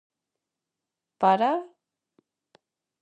Para...?